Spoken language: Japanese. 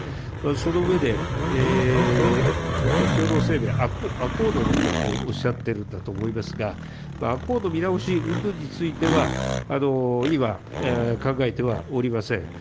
その上で、共同声明、アコードのことをおっしゃってるんだと思いますが、アコード見直しうんぬんについては、今、考えてはおりません。